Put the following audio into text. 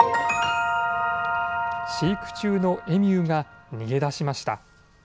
飼育中のエミューが逃げ出しました。